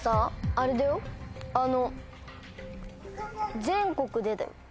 あれだよ全国でだよ。